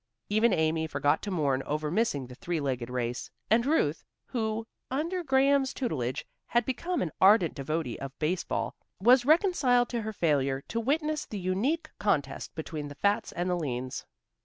Even Amy forgot to mourn over missing the three legged race, and Ruth, who, under Graham's tutelage, had become an ardent devotee of baseball, was reconciled to her failure to witness the unique contest between the Fats and the Leans.